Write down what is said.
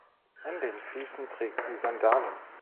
An den Füßen trägt sie Sandalen.